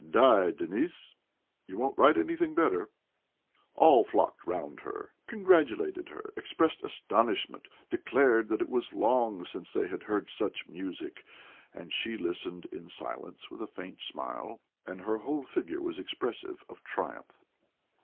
"Die, Denis; you won't write anything better." All flocked round her, congratulated her, expressed astonishment, declared that it was long since they had heard such music, and she listened in silence with a faint smile, and her whole figure was expressive of triumph.